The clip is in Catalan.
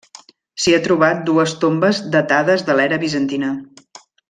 S'hi ha trobat dues tombes datades de l'era bizantina.